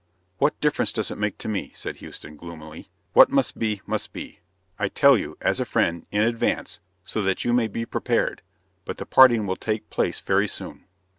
"What difference does it make to me?" said Houston, gloomily. "What must be, must be. I tell you, as a friend, in advance, so that you may be prepared; but the parting will take place very soon."